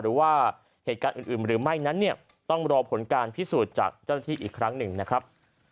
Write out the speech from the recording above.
หรือว่าเหตุการณ์อื่นหรือไม่นั้นเนี่ยต้องรอผลการพิสูจน์จากเจ้าหน้าที่อีกครั้งหนึ่งนะครับ